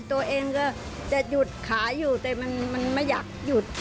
ตัวเองก็จะหยุดขายอยู่แต่มันไม่อยากหยุด